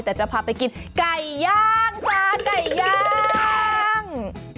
แต่จะพาไปกินไก่ย่างฟ้าไก่ย่าง